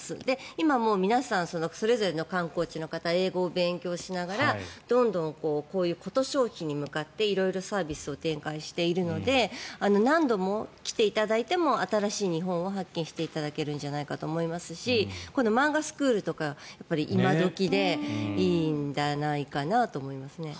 今、皆さんそれぞれの観光地の方英語を勉強しながらどんどんコト消費に向かって色々サービスを展開しているので何度も来ていただいても新しい日本を発見していただけるんじゃないかと思いますし漫画スクールとかいま時でいいんじゃないかなと思いますね。